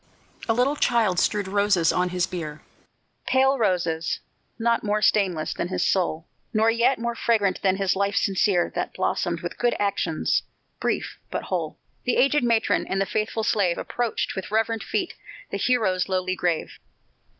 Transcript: A little child strewed roses on his bier Pale roses, not more stainless than his soul, Nor yet more fragrant than his life sincere, That blossomed with good actions brief, but whole; The aged matron and the faithful slave Approached with reverent feet the hero's lowly grave.